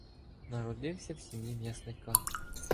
Народився в сім'ї м'ясника.